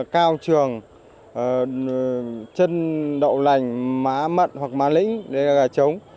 cao trường chân đậu lành má mận hoặc má lĩnh đây là gà trống